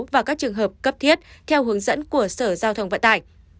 và các trường hợp cấp thiết theo hướng dẫn của sở giao thông vận tải